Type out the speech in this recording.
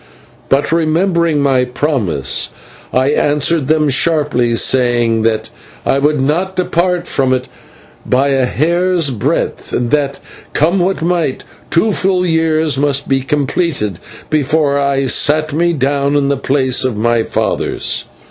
But, remembering my promise, I answered them sharply, saying that I would not depart from it by a hair's breadth, and that, come what might, two full years must be completed before I sat me down in the place of my fathers.